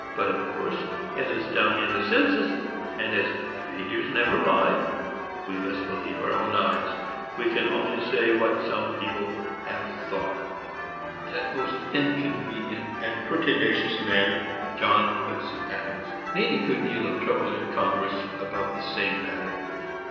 But, of course, as it's down in the census, and as "figures never lie," we must believe our own eyes. We can only say what some people have thought. That most inconvenient and pertinacious man, John Quincy Adams, made a good deal of trouble in Congress about this same matter.